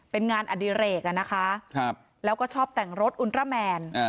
เป็นงานอดิเรกอะนะคะแล้วก็ชอบแต่งรถอุลราแมน